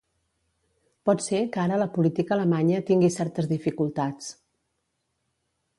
Pot ser que ara la política alemanya tingui certes dificultats.